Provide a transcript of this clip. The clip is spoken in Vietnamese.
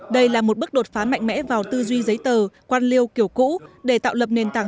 đây là một bước đột phá mạnh mẽ vào tư duy giấy tờ quan liêu kiểu cũ để tạo lập nền tảng